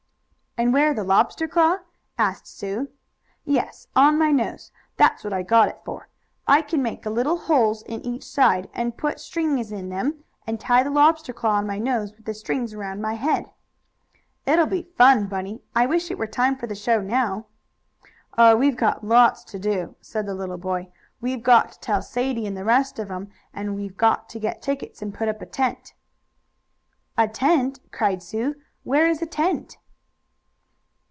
"And wear the lobster claw?" asked Sue. "Yes, on my nose. That's what I got it for. I can make little holes in each side, and put strings in them, and tie the lobster claw on my nose with the string around my head." "It will be fun, Bunny. I wish it were time for the show now." "Oh, we've got lots to do," said the little boy. "We've got to tell Sadie and the rest of 'em, and we've got to get tickets, and put up a tent." "A tent!" cried Sue. "Where is a tent?"